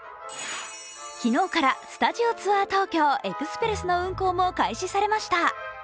昨日から「スタジオツアー東京エクスプレス」の運行も開始されました。